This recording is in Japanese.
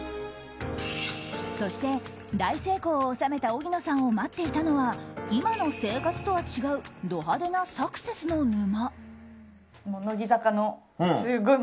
そして、大成功を収めた荻野さんを待っていたのは今の生活とは違うド派手なサクセスの沼。